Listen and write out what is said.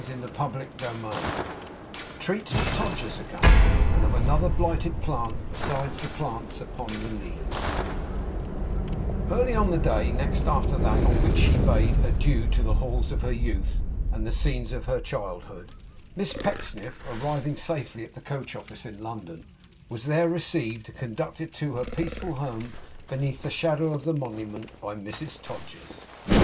CHAPTER THIRTY TWO TREATS OF TODGER'S AGAIN; AND OF ANOTHER BLIGHTED PLANT BESIDES THE PLANTS UPON THE LEADS Early on the day next after that on which she bade adieu to the halls of her youth and the scenes of her childhood, Miss Pecksniff, arriving safely at the coach office in London, was there received, and conducted to her peaceful home beneath the shadow of the Monument, by Mrs Todgers.